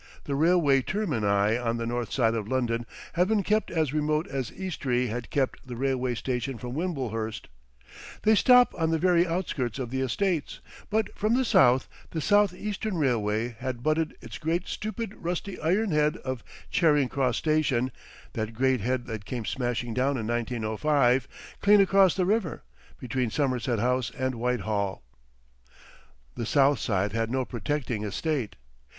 The railway termini on the north side of London have been kept as remote as Eastry had kept the railway station from Wimblehurst, they stop on the very outskirts of the estates, but from the south, the South Eastern railway had butted its great stupid rusty iron head of Charing Cross station, that great head that came smashing down in 1905—clean across the river, between Somerset House and Whitehall. The south side had no protecting estate.